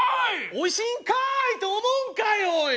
「おいしいんかい！」と思うんかいおい！